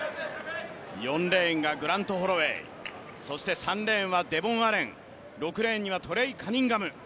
４レーンがグラント・ホロウェイ、３レーンはデボン・アレン６レーンにはトレイ・カニンガム。